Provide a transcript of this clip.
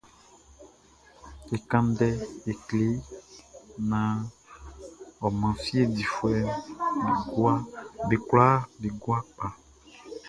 É kán ndɛ é klé i naan ɔ man fie difuɛʼm be kwlaa be gua kpa.